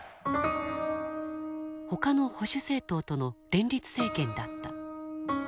ほかの保守政党との連立政権だった。